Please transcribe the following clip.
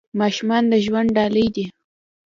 ماشومان د ژوند ډالۍ دي .